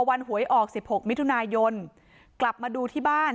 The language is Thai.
พอวันหวยออกสิบหกมิถุนายนกลับมาดูที่บ้าน